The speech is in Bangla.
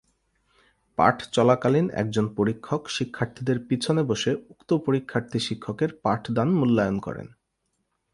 পাঠ চলাকালীন একজন পরীক্ষক শিক্ষার্থীদের পিছনে বসে উক্ত পরীক্ষার্থী-শিক্ষকের পাঠদান মূল্যায়ন করেন।